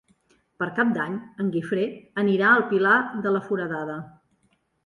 Per Cap d'Any en Guifré anirà al Pilar de la Foradada.